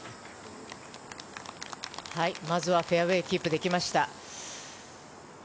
まずはフェアウェーをキープできました。